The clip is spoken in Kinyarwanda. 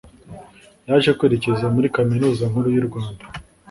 Yaje kwerekeza muri Kaminuza Nkuru y'u Rwanda,